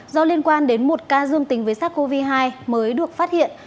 do liên quan đến một ca dương tính với sars cov hai mới được phát hiện